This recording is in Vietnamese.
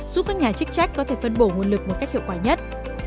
giúp các nhà chức trách có thể phân bổ nguồn lực một cách hiệu quả nhất